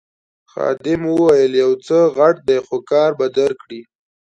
خادم وویل یو څه غټ دی خو کار به درکړي.